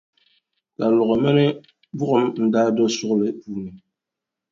Kaluɣi mini buɣum n-daa do suɣuli puuni.